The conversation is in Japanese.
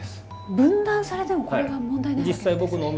分断されてもこれは問題ないわけですね。